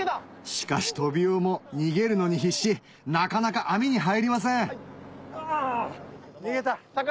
・しかしトビウオも逃げるのに必死なかなか網に入りませんあ！